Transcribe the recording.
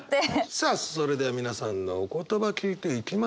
さあそれでは皆さんのお言葉聞いていきましょう。